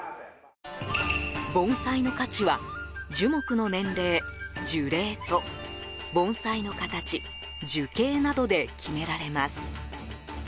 盆栽の価値は樹木の年齢・樹齢と盆栽の形・樹形などで決められます。